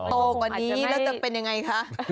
โตกว่านี้แล้วจะเป็นยังไงคะ